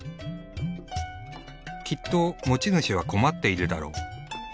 きっと持ち主は困っているだろう。